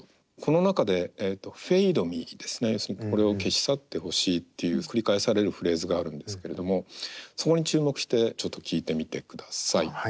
この中でｆａｄｅｍｅですね俺を消し去ってほしいっていう繰り返されるフレーズがあるんですけれどもそこに注目してちょっと聴いてみてください。